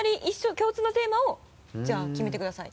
共通のテーマをじゃあ決めてください。